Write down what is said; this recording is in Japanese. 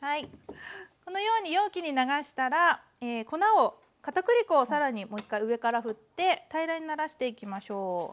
このように容器に流したらかたくり粉を更にもう一回上からふって平らにならしていきましょう。